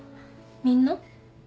みんな？